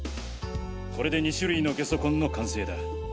これで２種類の下足痕の完成だ。